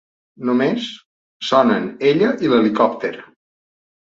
Només sonen ella i l’helicòpter.